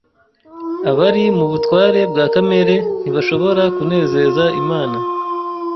Abari mu butware bwa kamere ntibashobora kunezeza Imana.